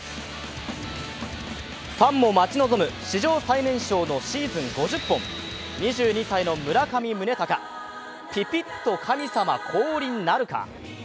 ファンも待ち望む史上最年少のシーズン５０本２２歳の村上宗隆、ピピッと神様降臨なるか？